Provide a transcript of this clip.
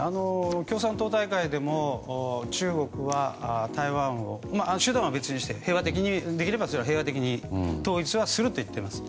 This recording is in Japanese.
共産党大会でも中国は台湾を手段は別にしてできれば平和的に統一はすると言っています。